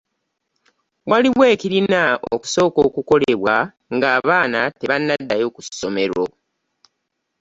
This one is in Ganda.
Waliwo ekirina okusooka okukolebwa ng'abaana tebanaddayo ku ssomero.